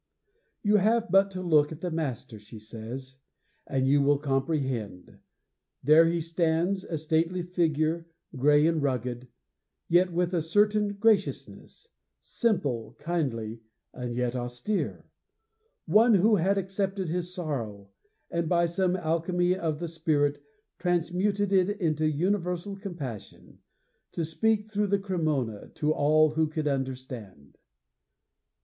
You have but to look at the master, she says, and you will comprehend. 'There he stands, a stately figure, gray and rugged, yet with a certain graciousness; simple, kindly, and yet austere; one who had accepted his sorrow, and, by some alchemy of the spirit, transmuted it into universal compassion, to speak, through the Cremona, to all who could understand!'